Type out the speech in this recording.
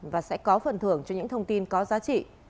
và sẽ có phần thưởng cho những thông tin có giá trị